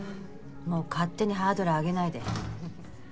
もう勝手にハードル上げないで。